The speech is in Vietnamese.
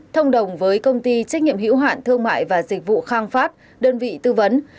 thông đồng với công ty trách nhiệm hiểu hoạn thương mại và dịch vụ khang pháp đơn vị tư vấn